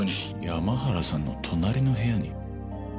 山原さんの隣の部屋に？